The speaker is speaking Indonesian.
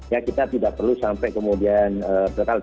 ya kita tidak perlu sampai kemudian berkal